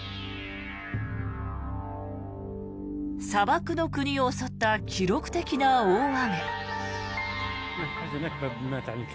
砂漠の国を襲った記録的な大雨。